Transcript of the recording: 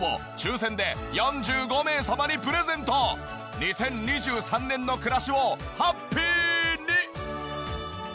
２０２３年の暮らしをハッピーに！